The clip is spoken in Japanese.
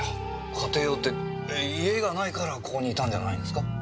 家庭用って家がないからここにいたんじゃないんですか？